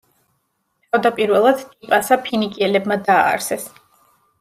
თავდაპირველად, ტიპასა ფინიკიელებმა დააარსეს.